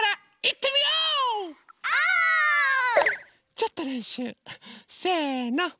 ちょっとれんしゅう。せの。